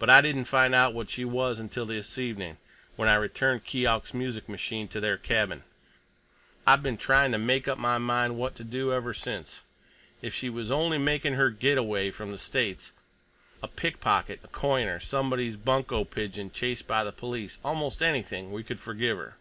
But I didn't find out what she was until this evening, when I returned Keok's music machine to their cabin. I've been trying to make up my mind what to do ever since. If she was only making her get away from the States, a pickpocket, a coiner, somebody's bunco pigeon chased by the police—almost anything—we could forgive her.